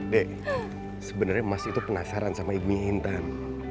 de sebenarnya mas itu penasaran sama ibunya hintan